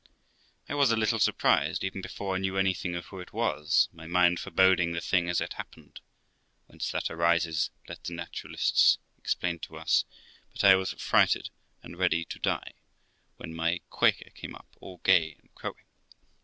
I was a little surprised, even before 1 knew anything of who it was, my mind foreboding the thing as it happened ( whence that arises let the naturalists explain to us); but I was frighted and ready to die, when my Quaker came up all gay and crowing.